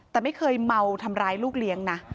แต่ไม่เคยเมาทำร้ายลูกเลี้ยงนะ